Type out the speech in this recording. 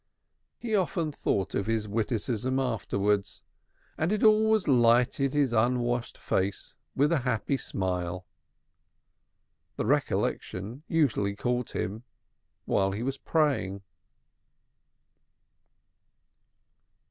He often thought of his witticism afterwards, and it always lightened his unwashed face with a happy smile. The recollection usually caught him when he was praying.